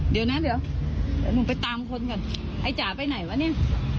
เดี๋ยวนะเดี๋ยวหนูไปตามคนก่อนไอ้จ๋าไปไหนวะเนี่ย